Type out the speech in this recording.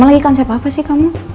lagi konsep apa sih kamu